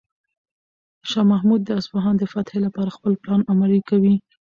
شاه محمود د اصفهان د فتح لپاره خپل پلان عملي کوي.